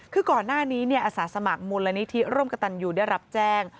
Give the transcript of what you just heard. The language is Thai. คือก่อนหน้านี้อาสาสมัครมูลนิธิร่วมกับตันยูได้รับแจ้ง